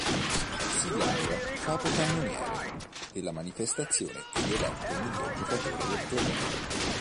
Si laurea capocannoniere della manifestazione ed è eletto miglior giocatore del torneo.